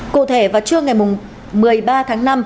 cụ thể vào trưa ngày một mươi ba tháng năm